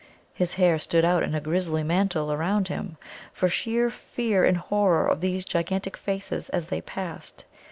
His hair stood out in a grisly mantle around him, for sheer fear and horror of these gigantic faces as they passed.